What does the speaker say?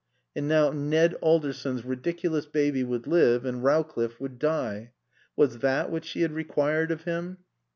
And now Ned Alderson's ridiculous baby would live and Rowcliffe would die. Was that what she had required of him?